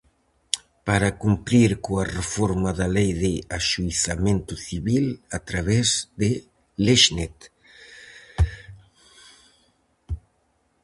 Para cumprir coa reforma da Lei de Axuizamento Civil a través de Lexnet.